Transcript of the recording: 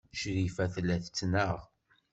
Crifa tella tettnaɣ.